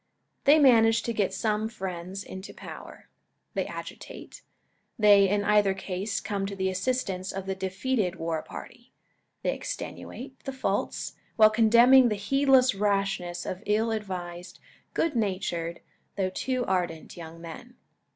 They manage to get some friends into power. They agitate. They, in either case, come to the assistance of the defeated war party. They extenuate the faults, while condemning the heedless rashness of ill advised, good natured, though too ardent, young men.